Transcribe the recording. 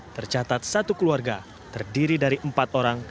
tercatat satu keluarga terdiri dari empat orang